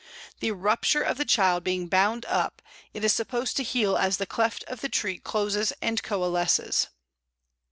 The rupture of the child being bound up, it is supposed to heal as the cleft of the tree closes and coalesces."